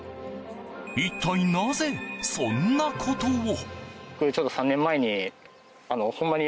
一体なぜそんなことを？